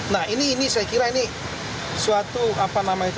nah ini saya kira ini suatu apa namanya itu